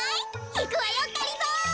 いくわよがりぞー！